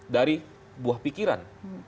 dari buah pikiran